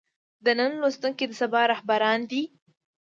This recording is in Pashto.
د نن لوستونکي د سبا رهبران دي.